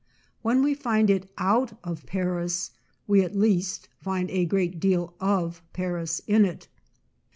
When we find it out of Paris, we at least find a great deal of Paris in it.